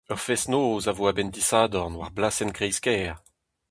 Ur fest-noz a vo a-benn disadorn war blasenn kreiz-kêr.